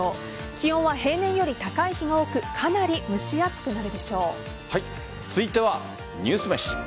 気温は平年より高い日が多く続いてはニュースめし。